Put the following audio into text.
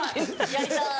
やりたい。